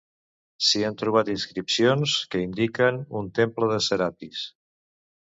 S'hi han trobat inscripcions que indiquen un temple de Serapis.